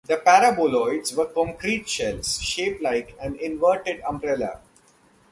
The paraboloids were concrete shells, shaped like an inverted umbrella.